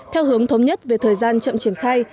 theo hướng thống nhất về thời gian chậm triển khai